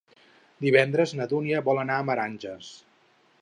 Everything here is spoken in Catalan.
Divendres na Dúnia vol anar a Menàrguens.